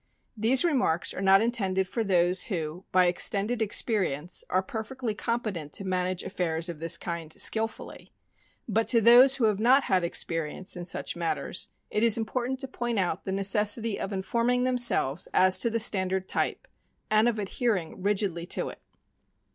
These remarks are not intended for those who, by extended experience, are perfectly competent to manage affairs of this kind skill fully; but to those who have not had experience in such matters it is important to point out the necessity of inform ing themselves as to the standard type, and of adhering rigidly to it.